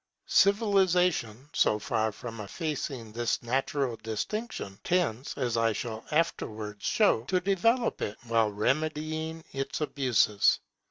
Civilization, so far from effacing this natural distinction, tends, as I shall afterwards show, to develop it, while remedying its abuses.